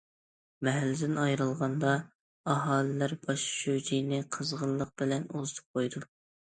مەھەللىدىن ئايرىلغاندا، ئاھالىلەر باش شۇجىنى قىزغىنلىق بىلەن ئۇزىتىپ قويدى.